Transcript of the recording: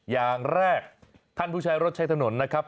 อย่างแรกท่านผู้ใช้รถใช้ถนนนะครับ